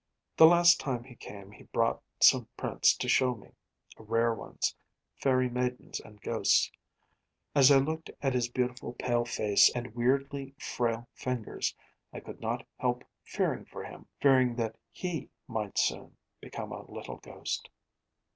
The last time he came he brought some prints to show me rare ones fairy maidens and ghosts. As I looked at his beautiful pale face and weirdly frail fingers, I could not help fearing for him, fearing that he might soon become a little ghost.